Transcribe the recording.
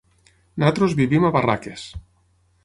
Nosaltres vivim a Barraques.